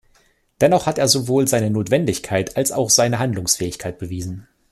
Dennoch hat er sowohl seine Notwendigkeit als auch seine Handlungsfähigkeit bewiesen.